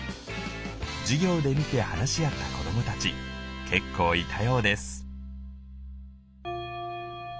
授業で見て話し合った子どもたち結構いたようです。